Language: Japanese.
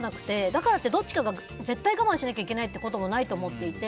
だからってどっちが絶対我慢しなきゃいけないこともないと思っていて。